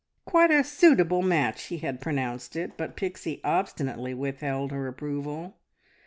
"Quite a suitable match!" he had pronounced it, but Pixie obstinately withheld her approval.